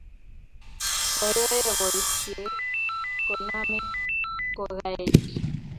koyoe boisie koname kokaech